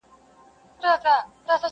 ډیري وژړېدې بوري د زلمیانو پر جنډیو!.